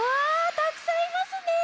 たくさんいますね！